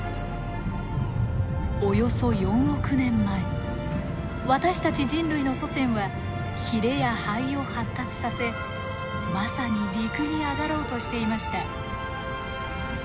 およそ４億年前私たち人類の祖先はヒレや肺を発達させまさに陸に上がろうとしていました。